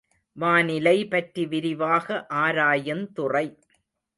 வானிலை பற்றி விரிவாக ஆராயுந் துறை.